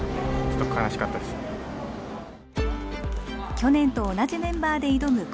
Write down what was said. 去年と同じメンバーで挑む今大会。